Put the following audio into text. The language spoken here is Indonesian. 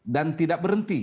dan tidak berhenti